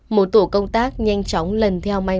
một tổ công tác nhanh chóng lần theo manh